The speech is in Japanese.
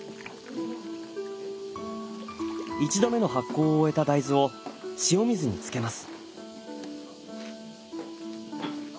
一度目の発酵を終えた大豆を塩水につけます。